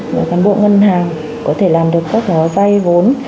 người phản bộ ngân hàng có thể làm được các vay vốn